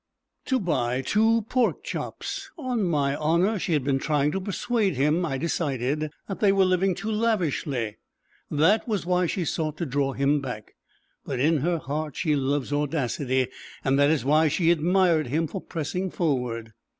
To buy two pork chops. On my honour. She had been trying to persuade him, I decided, that they were living too lavishly. That was why she sought to draw him back. But in her heart she loves audacity, and that is why she admired him for pressing forward.